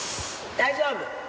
大丈夫。